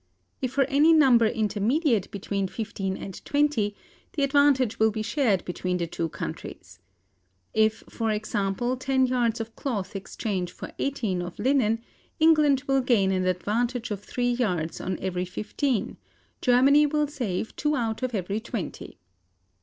If for any number intermediate between fifteen and twenty, the advantage will be shared between the two countries. If, for example, ten yards of cloth exchange for eighteen of linen, England will gain an advantage of three yards on every fifteen, Germany will save two out of every twenty.